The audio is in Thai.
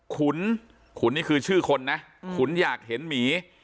ขุนขุนนี่คือชื่อคนนะขุนอยากเห็นหมี